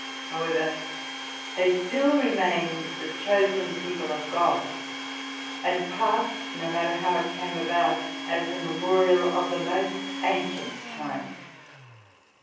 However, they still re emained the chosen people of God, and passed, no matter how it came about, as a memorial of the most ancient times.